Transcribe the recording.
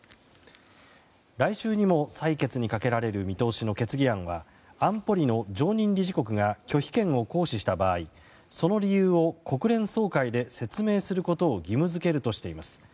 来週にも採決にかけられる見通しの決議案は安保理の常任理事国が拒否権を行使した場合その理由を国連総会で説明することを義務付けるとしています。